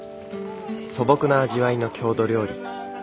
素朴な味わいの郷土料理。